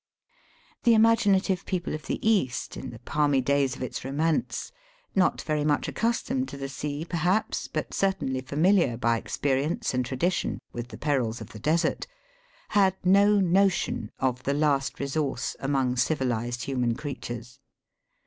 The imaginative people of the East, in the palmy days of its romance — not very much accustomed to the sea, perhaps, but certainly familiar by experience and tradition with the perils of the desert — had no notion of the " last resource " among civilised human creatures.